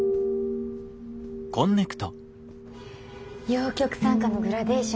陽極酸化のグラデーション